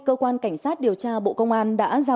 cơ quan cảnh sát điều tra bộ công an đã ra